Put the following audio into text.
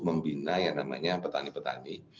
membina yang namanya petani petani